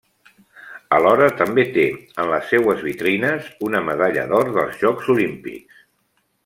Alhora també té en les seues vitrines una medalla d'or dels Jocs Olímpics.